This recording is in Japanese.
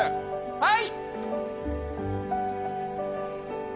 はい。